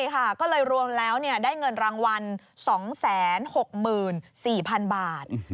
ใช่ค่ะก็เลยรวมแล้วเนี่ยได้เงินรางวัล๒๖๔๐๐๐บาท